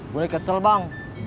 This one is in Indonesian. gue kesel bang